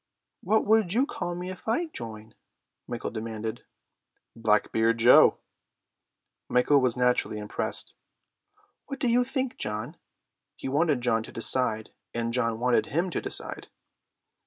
"What would you call me if I join?" Michael demanded. "Blackbeard Joe." Michael was naturally impressed. "What do you think, John?" He wanted John to decide, and John wanted him to decide.